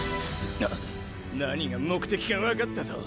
な何が目的か分かったぞ。